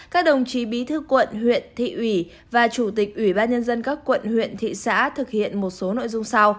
các đồng chí bí thư quận huyện thị ủy và chủ tịch ủy ban nhân dân các quận huyện thị xã thực hiện một số nội dung sau